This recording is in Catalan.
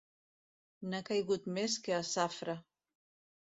N'ha caigut més que a Zafra.